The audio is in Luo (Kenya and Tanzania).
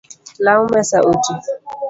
Law mesa oti